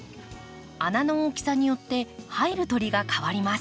穴の大きさによって入る鳥が変わります。